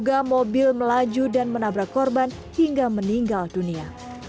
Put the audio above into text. diduga mobil melaju dan menabrak korban hingga meninggal dunia